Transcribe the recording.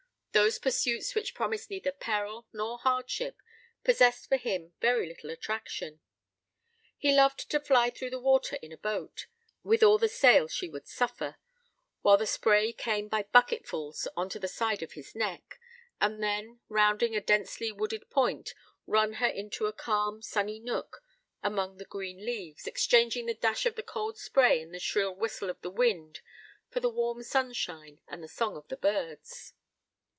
Those pursuits which promised neither peril nor hardship possessed for him very little attraction. He loved to fly through the water in a boat, with all the sail she would suffer, while the spray came by bucketfuls on to the side of his neck, and then, rounding a densely wooded point, run her into a calm, sunny nook, among the green leaves, exchanging the dash of the cold spray and the shrill whistle of the wind for the warm sunshine and the song of birds.